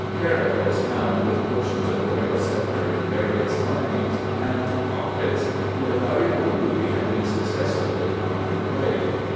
Parrot was found with portions of royal sceptre in various linings and pockets, and a valuable ruby had been successfully conjured away.